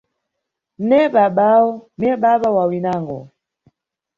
Ne babawo, ne baba wa winango.